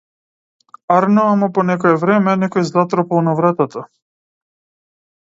Арно ама по некое време некој затропал на вратата.